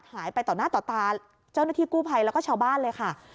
ไปต่อหน้าต่อตาเจ้าหน้าที่กู้ภัยแล้วก็ชาวบ้านเลยค่ะ